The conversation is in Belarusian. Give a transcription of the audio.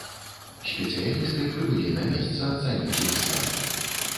Спецыялісты прыбылі на месца ацаніць іх стан.